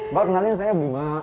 mbak kenalin saya bima